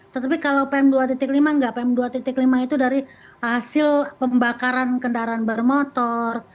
tetapi kalau pm dua lima enggak pm dua lima itu dari hasil pembakaran kendaraan bermotor